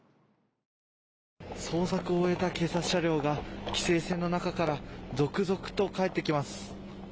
捜索を終えた警察車両が規制線の中から続々と帰ってきます。